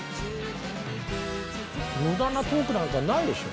無駄なトークなんかないでしょ。